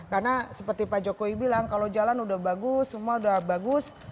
karena seperti pak jokowi bilang kalau jalan sudah bagus semua sudah bagus